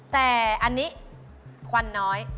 แต่อันนี้ควันน้อย